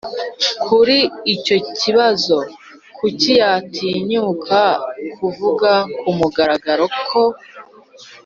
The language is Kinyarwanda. kuri icyo kibazo kuki yatinyuka kuvuga ku mugaragaro ko